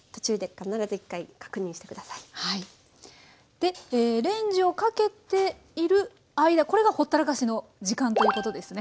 でレンジをかけている間これがほったらかしの時間ということですね。